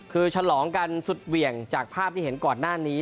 คือฉลองกันสุดเหวี่ยงจากภาพที่เห็นก่อนหน้านี้